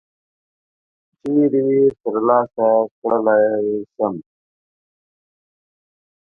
چیري یې ترلاسه کړلای شم ؟